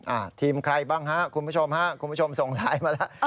อ่าทีมใครบ้างฮะคุณผู้ชมส่งรายมาแล้ว